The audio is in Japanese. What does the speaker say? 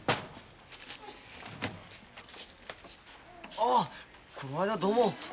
あっこの間はどうも。